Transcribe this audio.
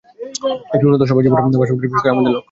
একটি উন্নত সবার জন্য বাসোপযোগী বিশ্ব গড়ে তোলাই তাদের লক্ষ্য!